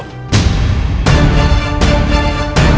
sampai jumpa lagi